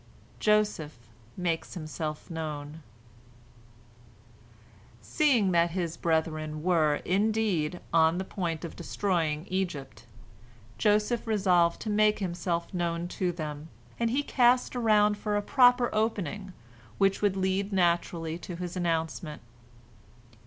JOSEPH MAKES HIMSELF KNOWN Seeing that his brethren were, indeed, on the point of destroying Egypt, Joseph resolved to make himself known to them, and he cast around for a proper opening, which would lead naturally to his announcement.